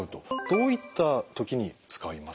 どういった時に使いますか？